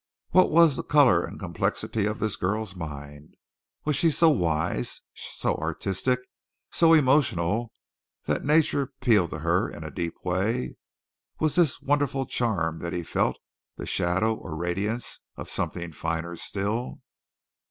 What was the color and complexity of this girl's mind? Was she so wise, so artistic and so emotional that nature appealed to her in a deep way? Was this wonderful charm that he felt the shadow or radiance of something finer still?